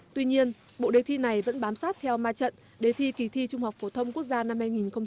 tuy nhiên bộ đề thi này vẫn bám sát theo ma trận đề thi kỳ thi trung học phổ thông quốc gia năm hai nghìn một mươi tám